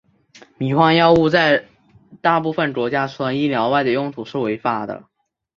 迷幻药物在大部分国家除了医疗外的用途是违法的。